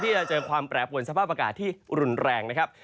ในที่จะเจอความแปรปร่วมสภาพประกาศที่รุนแรงนะครับ